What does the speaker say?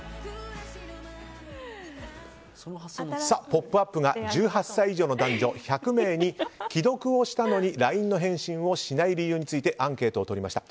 「ポップＵＰ！」が１８歳以上の男女１００名に既読をしたのにＬＩＮＥの返信をしない理由についてアンケートを取りました。